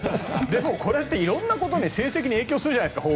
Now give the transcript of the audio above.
これっていろんなことに成績に影響するじゃないですか。